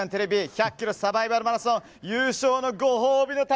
１００ｋｍマラソン優勝のご褒美の旅！